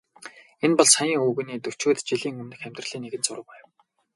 Энэ бол саяын өвгөний дөчөөд жилийн өмнөх амьдралын нэгэн зураг байв.